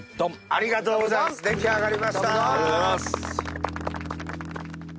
ありがとうございます出来上がりました。